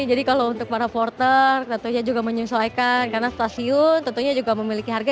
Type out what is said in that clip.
jadi kalau untuk para porter tentunya juga menyesuaikan karena stasiun tentunya juga memiliki harga